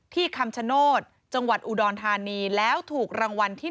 คำชโนธจังหวัดอุดรธานีแล้วถูกรางวัลที่๑